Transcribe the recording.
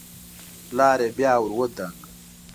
پلار يې بيا ور ودانګل.